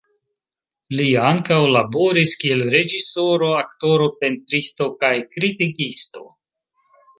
Li ankaŭ laboris kiel reĝisoro, aktoro, pentristo kaj kritikisto.